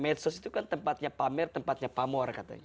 medsos itu kan tempatnya pamer tempatnya pamor katanya